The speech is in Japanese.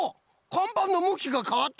かんばんのむきがかわってる！